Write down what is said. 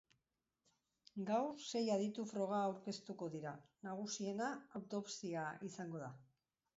Gaur, sei aditu-froga aurkeztuko dira, nagusiena, autopsia izango da.